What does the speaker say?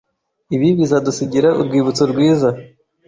Ibi bizadusigira urwibutso rwiza